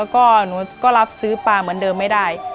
ก็หนูก็รับซื้อปลาเหมือนเดิมไม่ได้